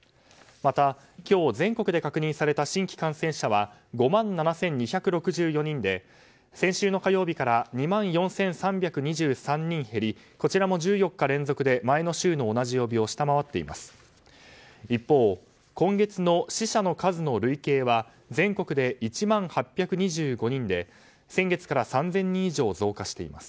また今日、全国で確認された新規感染者は５万７２６４人で先週の火曜日から２万４３２３人減りこちらも１４日連続で前の週の同じ曜日を下回っています。